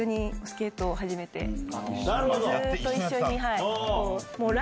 ずっと一緒に。